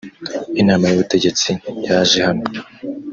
inama y ubutegetsi yaje hano